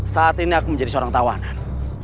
saat ini aku menjadi seorang tawanan